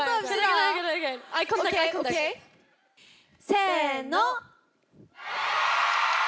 せの。